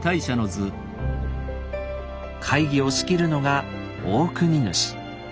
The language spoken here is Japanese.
会議を仕切るのがオオクニヌシ。